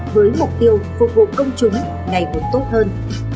với mục tiêu phục vụ công chúng ngày một tốt hơn